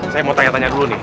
saya mau tanya tanya dulu nih